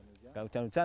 kalau enggak hujan hujan